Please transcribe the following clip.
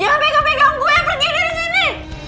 jangan pegang pegang gue pergi dari sini